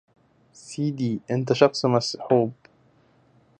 سيدي أنت شاخص مصحوب